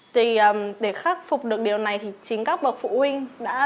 thì để khắc phục được điều này thì chính các bậc phụ huynh đã